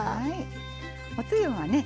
おつゆはね